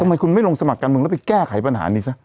ทำไมคุณไม่ลงสมัครการเมืองแล้วไปแก้ไขปัญหานี้ซะ